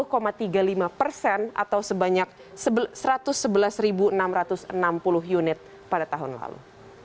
sebesar tiga belas tiga puluh lima persen atau sebanyak satu ratus sebelas enam ratus enam puluh unit pada tahun lalu